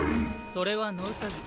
それは野ウサギ。